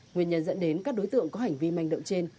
nguyên nhân dẫn đến các đối tượng có hành vi manh động trên